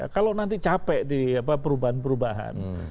kalau nanti capek di perubahan perubahan